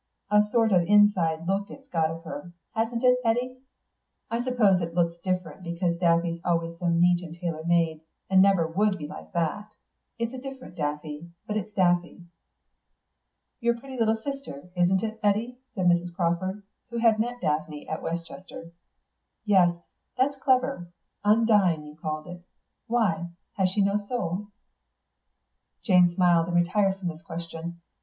A sort of inside look it's got of her; hasn't it, Eddy? I suppose it looks different because Daffy's always so neat and tailor made, and never would be like that. It's a different Daffy, but it is Daffy." "Your pretty little sister, isn't it, Eddy," said Mrs. Crawford, who had met Daphne at Welchester. "Yes, that's clever. 'Undine,' you call it. Why? Has she no soul?" Jane smiled and retired from this question.